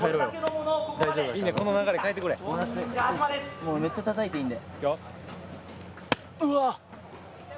もう、めっちゃたたいていいんで。